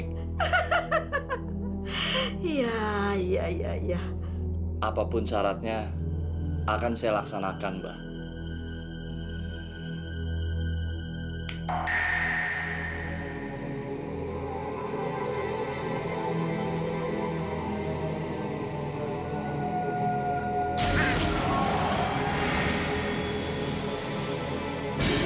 dia sangat setia sama kamu wadi